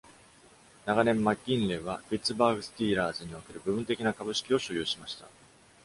長年、マッギンレーはピッツバーグスティーラーズにおける部分的な株式を所有しました。